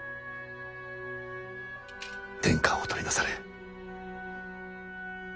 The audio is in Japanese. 天下をお取りなされ。